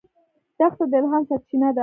دښته د الهام سرچینه ده.